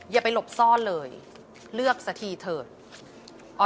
อย่าไปหลบซ่อนเลยเลือกสักทีเถิด